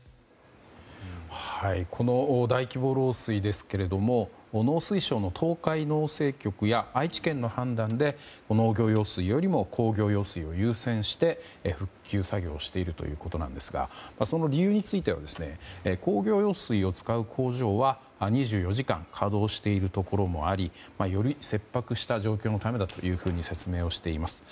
この大規模漏水ですが農水省の東海農政局や愛知県の判断で農業用水よりも工業用水を優先して復旧作業をしているということですがその理由については工業用水を使う工場は２４時間稼働しているところもありより切迫した状況のためだというふうに説明をしています。